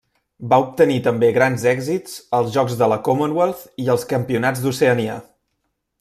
Va obtenir també grans èxits als Jocs de la Commonwealth i als Campionats d'Oceania.